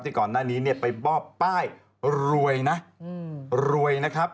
ที่ก่อนหน้านี้ไปป้อบป้ายรวยนะครับ